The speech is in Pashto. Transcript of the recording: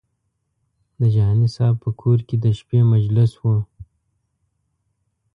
د جهاني صاحب په کور کې د شپې مجلس و.